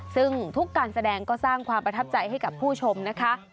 ซึ่งทุกการแสดงก็สร้างความประทับใจให้กับผู้ชมนะคะ